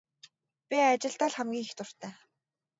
Би ажилдаа л хамгийн их дуртай.